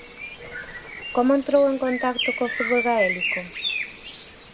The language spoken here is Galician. Como entrou en contacto co fútbol gaélico?